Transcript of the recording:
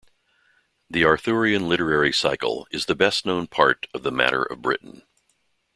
The Arthurian literary cycle is the best known part of the Matter of Britain.